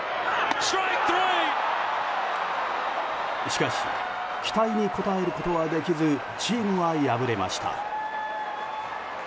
しかし期待に応えることはできずチームは敗れました。